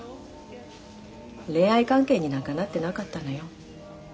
恋愛関係になんかなってなかったのよ。